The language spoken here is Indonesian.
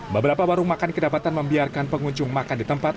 beberapa warung makan kedapatan membiarkan pengunjung makan di tempat